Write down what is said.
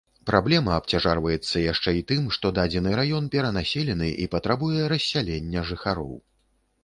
Праблема абцяжарваецца яшчэ і тым, што дадзены раён перанаселены і патрабуе рассялення жыхароў.